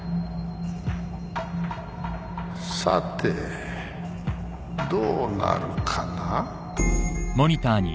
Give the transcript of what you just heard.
さてどうなるかな。